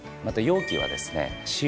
また容器はですね